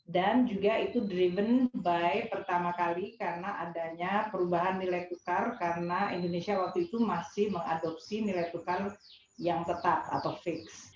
dan juga itu driven by pertama kali karena adanya perubahan nilai tukar karena indonesia waktu itu masih mengadopsi nilai tukar yang tetap atau fix